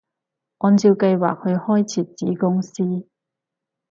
按照計劃去開設子公司